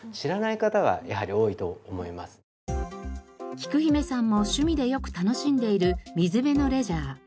きく姫さんも趣味でよく楽しんでいる水辺のレジャー。